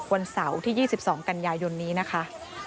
วันเสาร์ที่๒๒กันยายนนี้นะคะ